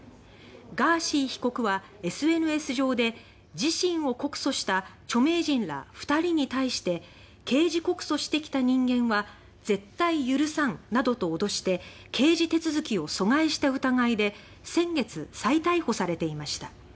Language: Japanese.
ガーシー被告はＳＮＳ上で自身を告訴した著名人ら２人に対して「刑事告訴してきた人間は絶対許さん」などと脅して刑事手続きを阻害した疑いで先月再逮捕されていました。